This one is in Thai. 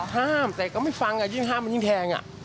ห้ามแต่ก็ไม่ฟังยิ่งห้ามมันยิ่งแทง